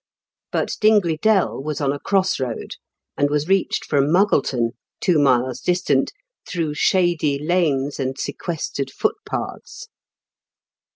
But Dingley Dell was on a cross road, and was reached from Muggleton, two miles distant, "through shady lanes and sequestered foot paths."